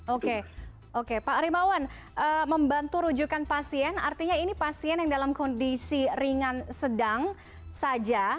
oke oke pak arimawan membantu rujukan pasien artinya ini pasien yang dalam kondisi ringan sedang saja